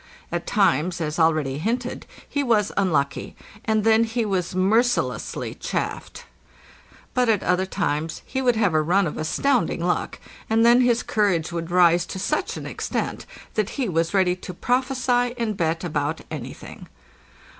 At times, as already hinted, he was unlucky, and then he was mercilessly chaffed ; but at other times he would have a run of astounding luck, and then his courage would rise to such an extent that he was ready to prophesy and bet about anything.